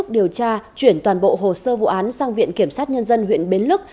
điều tra chuyển toàn bộ hồ sơ vụ án sang viện kiểm sát nhân dân huyện bến lức